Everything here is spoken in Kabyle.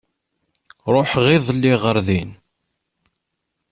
Ruḥeɣ iḍelli ɣer din.